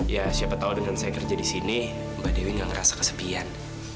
ya siapa tahu dengan saya kerja di sini mbak dewi gak ngerasa kesepian